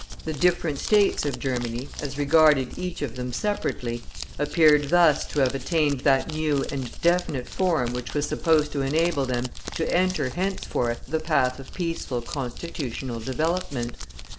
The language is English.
The different States of Germany, as regarded each of them separately, appeared thus to have attained that new and definite form which was supposed to enable them to enter henceforth the path of peaceful constitutional development.